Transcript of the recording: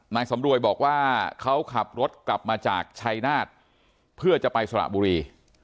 นายสำรวยบอกว่าเขาขับรถกลับมาจากชัยนาธเพื่อจะไปสระบุรี